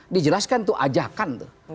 dijelaskan tuh ajakan tuh